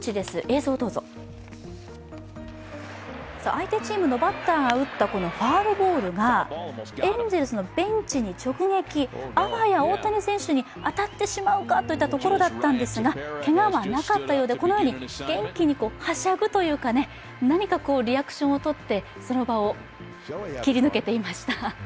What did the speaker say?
相手チームのバッターが打ったファウルボールがエンゼルスのベンチに直撃、あわや大谷選手に当たってしまうかというところだったんですがけがはなかったようで、このように元気にはしゃぐというか何かリアクションをとってその場を切り抜けていました。